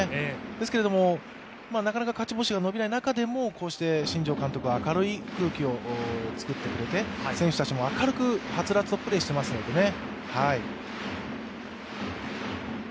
ですけれども、なかなか勝ち星が伸びない中でも新庄監督は明るい空気を作ってくれて選手たちも明るくはつらつとプレーしていますのでね。